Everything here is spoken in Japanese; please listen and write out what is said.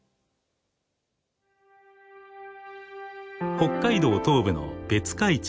北海道東部の別海町。